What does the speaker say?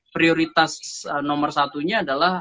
prioritas nomor satunya adalah